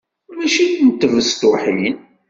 Mačči n tbestuḥin!